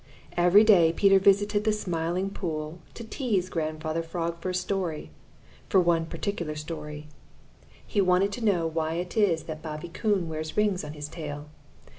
Every day Peter visited the Smiling Pool to tease Grandfather Frog for a story for one particular story. He wanted to know why it is that Bobby Coon wears rings on his tail.